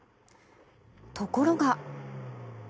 ところが。